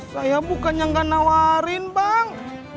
saya bukannya gak nawarin bang